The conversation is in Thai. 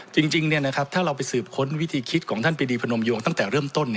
จริงถ้าเราไปสืบค้นวิธีคิดของท่านไปดีพนมโยงตั้งแต่เริ่มต้น